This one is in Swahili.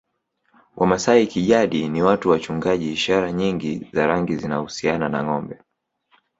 Wamasai kijadi ni watu wachungaji ishara nyingi za rangi zinahusiana na ngombe